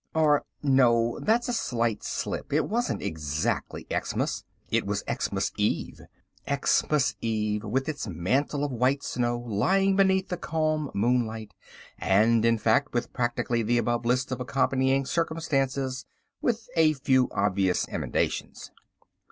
Or no, that's a slight slip; it wasn't exactly Xmas, it was Xmas Eve, Xmas Eve with its mantle of white snow lying beneath the calm moonlight—and, in fact, with practically the above list of accompanying circumstances with a few obvious emendations.